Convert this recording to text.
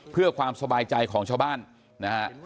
เพื่อความสบายใจของชาวบ้านนะฮะ